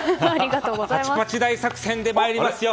パチパチ大作戦で参りますよ。